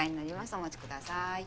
お持ちください。